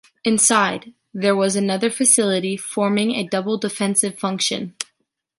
Inside, there was another facility forming a double defensive function.